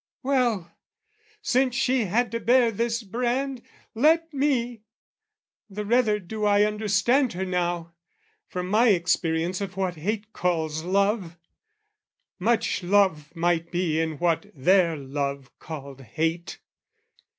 Well, since she had to bear this brand let me! The rather do I understand her now, From my experience of what hate calls love, Much love might be in what their love called hate.